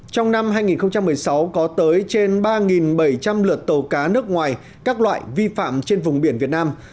trong năm hai nghìn một mươi sáu có tới trên ba bảy trăm linh lượt tàu cá nước ngoài các loại vi phạm trên vùng biển việt nam